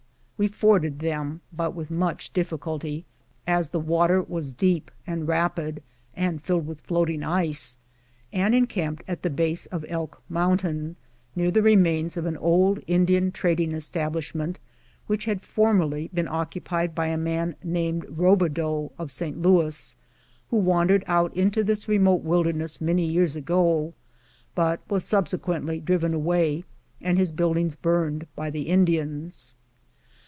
We forded them, but with much dif ficulty, as the water was deep and rapid, and filled with floating ice, and encamped at the base of the " Elk Mount ain," near the remains of an old Indian trading establish ment, which had formerly been occupied by a man named Eobedeau, of St. Louis, who wandered out into ^his remote wilderness many years ago, but was subsequently driven away and his buildings burned by the Indians.